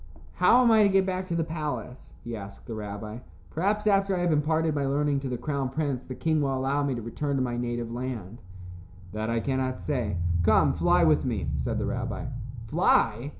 "How am I to get back to the palace?" he asked the rabbi. "Perhaps after I have imparted my learning to the crown prince, the king will allow me to return to my native land." "That I cannot say. Come, fly with me," said the rabbi. "Fly!"